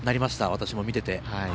私も見ていて。